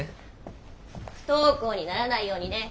不登校にならないようにね。